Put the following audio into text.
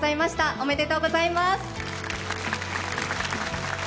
おめでとうございます。